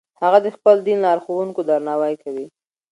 هغه د خپل دین لارښوونکو درناوی کوي.